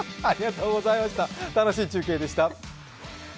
楽しい中継でした。